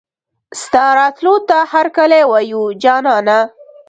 ستا راتلو ته هرکلی وايو جانانه